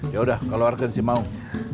ya udah keluargan si maung